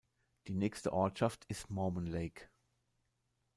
Die nächste Ortschaft ist Mormon Lake.